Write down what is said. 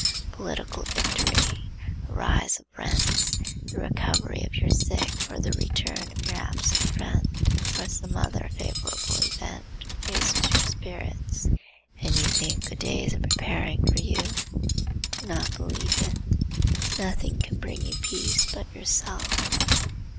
A political victory, a rise of rents, the recovery of your sick or the return of your absent friend, or some other favorable event raises your spirits, and you think good days are preparing for you. Do not believe it. Nothing can bring you peace but yourself.